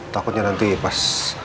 takutnya nanti pas